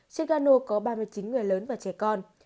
trên các nô có ba mươi chín người lớn và trẻ con